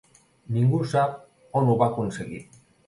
Ningú sap on ho va aconseguir.